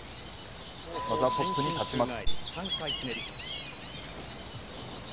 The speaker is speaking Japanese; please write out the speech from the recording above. まずはトップに立ちます。